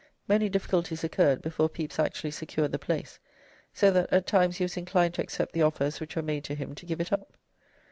Many difficulties occurred before Pepys actually secured the place, so that at times he was inclined to accept the offers which were made to him to give it up.